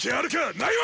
ないわ！